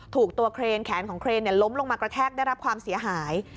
ถูกตัวเครนแขนของเครนล้มลงมากระแทกได้รับความเสียหาย